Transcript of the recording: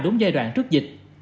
đúng giai đoạn trước dịch